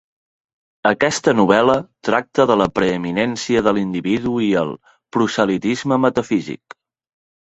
Aquesta novel·la tracta la preeminència de l'individu i el "proselitisme metafísic".